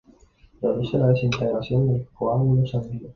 Produce la desintegración del coágulo sanguíneo.